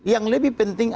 yang lebih penting